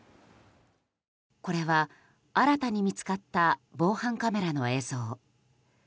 これは新たに見つかった防犯カメラの映像。